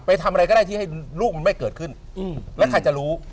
ทำอะไรก็ได้ที่ให้ลูกมันไม่เกิดขึ้นแล้วใครจะรู้